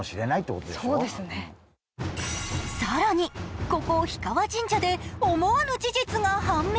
さらに、ここ氷川神社で思わぬ事実が判明。